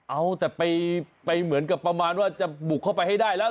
เอาแต่ไปเหมือนกับประมาณว่าจะบุกเข้าไปให้ได้แล้ว